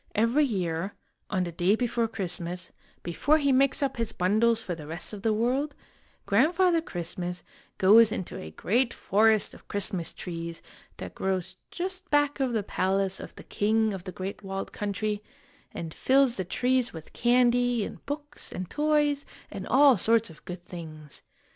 Every year, on the day before Christmas, before he makes up his bundles for the rest of the world, Grandfather Christmas goes into a great forest of Christmas trees, that grows just back of the palace of the king of The Great Walled Country, and fills the trees with candy and books and toys and all sorts of good things.